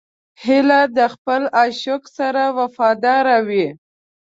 هیلۍ د خپل عاشق سره وفاداره وي